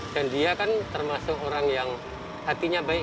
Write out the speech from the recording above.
dan dia kan termasuk orang yang hatinya baik